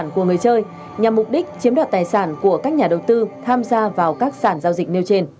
của người chơi nhằm mục đích chiếm đoạt tài sản của các nhà đầu tư tham gia vào các sản giao dịch nêu trên